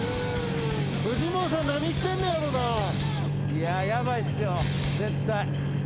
いやヤバいっすよ絶対。